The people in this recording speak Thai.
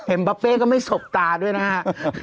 เอ็มบ๊าเป๊ก็ไม่สบตาด้วยนะฮะ